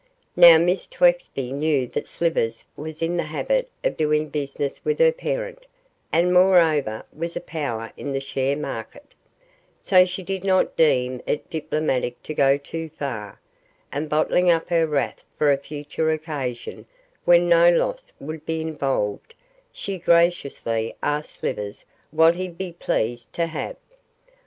Now, Miss Twexby knew that Slivers was in the habit of doing business with her parent, and, moreover was a power in the share market, so she did not deem it diplomatic to go too far, and bottling up her wrath for a future occasion, when no loss would be involved, she graciously asked Slivers what he'd be pleased to have.